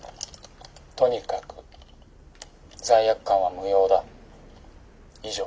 とにかく罪悪感は無用だ。以上」。